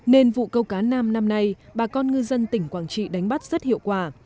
nên vụ câu cá nam năm nay bà con ngư dân tỉnh quảng trị đánh bắt rất hiệu quả